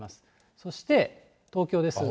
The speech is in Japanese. そして、東京ですが。